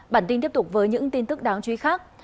bản tin tiếp tục với những tin tức đáng chú ý khác